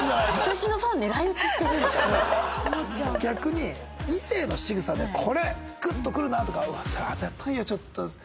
逆に異性のしぐさで「これグッとくるなあ」とか「うわっそれあざといよちょっと」